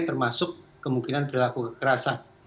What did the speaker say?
termasuk kemungkinan berlaku kerasa